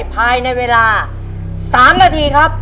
ภายในเวลา๓นาทีครับ